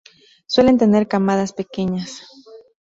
Suelen tener camadas pequeñas.